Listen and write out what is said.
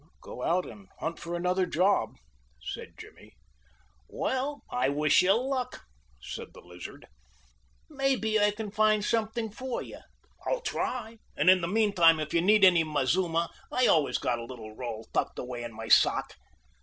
"Go out and hunt for another job," said Jimmy. "Well, I wish you luck," said the Lizard. "Maybe I can find something for you. I'll try, and in the mean time if you need any mazuma I always got a little roll tucked away in my sock."